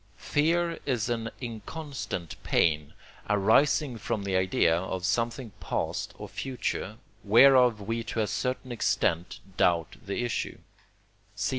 Fear is an inconstant pain arising from the idea of something past or future, whereof we to a certain extent doubt the issue (cf.